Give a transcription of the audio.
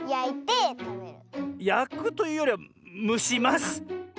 やくというよりはむします。